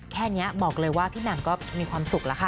แค่นี้บอกเลยว่าพี่แหม่มก็มีความสุขแล้วค่ะ